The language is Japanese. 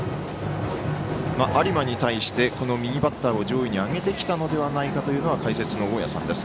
有馬に対して、右バッターを上位に上げてきたのではないかというのは解説の大矢さんです。